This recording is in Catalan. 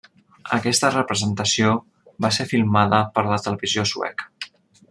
Aquesta representació va ser filmada per la Televisió Sueca.